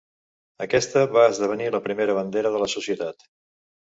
Aquesta va esdevenir la primera bandera de la societat.